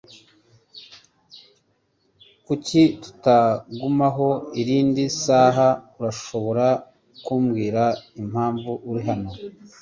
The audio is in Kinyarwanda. Kuki tutagumaho irindi saha? Urashobora kumbwira impamvu uri hano?